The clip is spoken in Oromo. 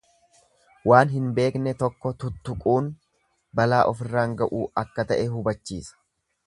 Waan hin beekne tokko tuttuquun balaa ofirraan ga'uu akka ta'e hubachiisa.